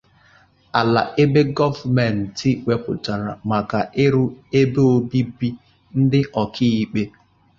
ala ebe gọọmentị wepụtara maka ịrụ ebe obibi ndị Ọkaikpe